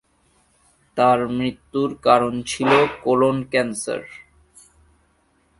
তার মৃত্যুর কারণ ছিলো কোলন ক্যান্সার।